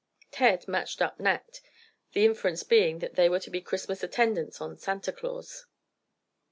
Ted matched up Nat, the inference being that they were to be Christmas attendants on Santa Claus.